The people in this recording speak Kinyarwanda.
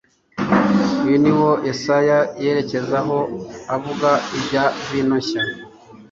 Uyu ni wo Yesaya yerekezaho avuga ibya vino nshya,